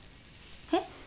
えっ？